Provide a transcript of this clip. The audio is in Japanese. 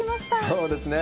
そうですね。